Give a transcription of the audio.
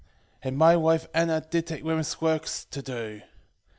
2:11 And my wife Anna did take women's works to do.